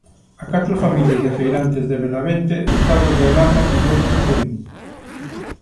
A catro familias de feirantes de Benavente o estado de alarma pillounos en Verín.